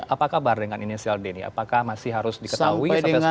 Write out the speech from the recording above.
apa kabar dengan inisial d ini apakah masih harus diketahui